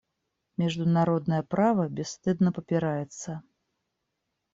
Международное право бесстыдно попирается.